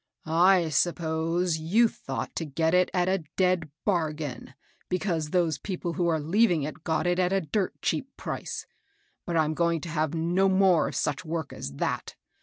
" I suppose you thought to get it a dead bargain, because those people who are leaving it got it at a dirt cheap price. But I'm going to have no more of such work as that.